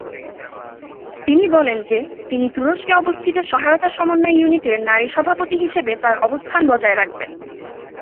তিনি বলেন যে, তিনি তুরস্কে অবস্থিত সহায়তা সমন্বয় ইউনিটের নারী সভাপতি হিসাবে তার অবস্থান বজায় রাখবেন।